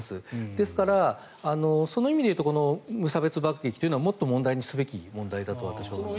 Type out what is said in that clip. ですからその意味で言うと無差別爆撃というのはもっと問題にすべきだと思います。